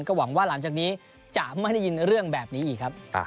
ก็หวังว่าหลังจากนี้จะไม่ได้ยินเรื่องแบบนี้อีกครับ